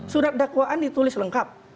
surat dakwaan ditulis lengkap